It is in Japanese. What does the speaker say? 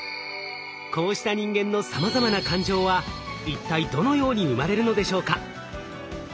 こうした人間のさまざまな感情は一体どのように生まれるのでしょうか？